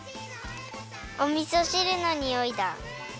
おみそしるのにおいだ。